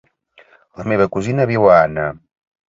La meva cosina viu a Anna.